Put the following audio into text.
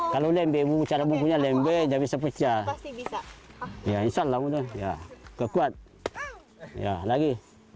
kalau lembeng cara mempunyai lembek bisa pecah ya isalang udah ya kekuat ya lagi